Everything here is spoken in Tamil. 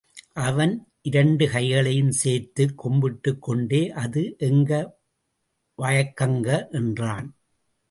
அவன் இரண்டு கைகளையும் சேர்த்துக் கும்பிட்டுக் கொண்டே, அது எங்க வயக்கங்க என்றான்.